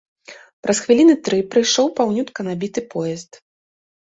Праз хвіліны тры прыйшоў паўнютка набіты поезд.